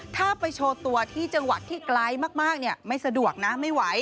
ถ้าไปโชว์ตัวที่จังหวัดที่ไกลมากไม่สะดวกนะไม่ไหว